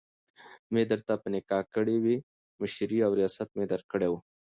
مي درته په نکاح کړي وي، مشري او رياست مي درکړی وو